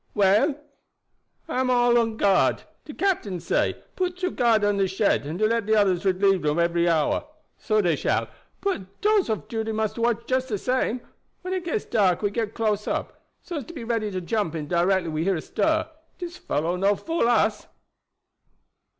We am all on guard. De captain say, put two on guard at de shed and let de oders relieb dem ebery hour. So dey shall; but dose off duty must watch just the same. When it gets dark we get close up, so as to be ready to jump in directly we hear a stir. Dis fellow no fool us."